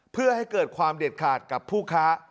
เพื่อให้เกิดความเด็ดขาดกับผู้ค้า